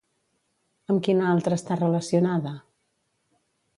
Amb quina altra està relacionada?